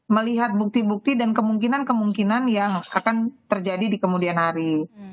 melihat bukti bukti dan kemungkinan kemungkinan yang akan terjadi di kemudian hari